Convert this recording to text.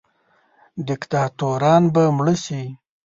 دیکتاتوران به مړه سي.